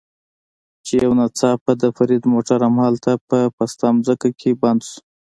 چې یو ناڅاپه د فرید موټر همالته په پسته ځمکه کې بند شو.